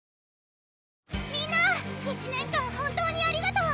みんな１年間本当にありがとう！